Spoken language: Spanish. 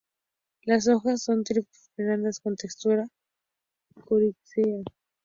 Las hojas son trifoliadas con textura coriácea.